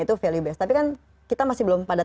itu value base tapi kan kita masih belum pada